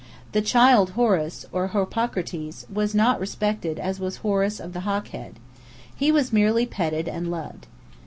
The child Horus, or Harpocrates, was not respected as was Horus of the Hawk Head. He was merely petted and loved.